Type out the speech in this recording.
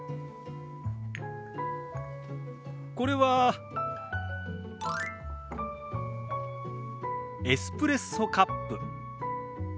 これはエスプレッソカップ。